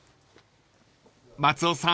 ［松尾さん